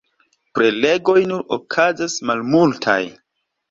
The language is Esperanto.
Prelegoj nur okazas malmultaj.